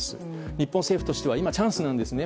日本政府としては今、チャンスなんですね。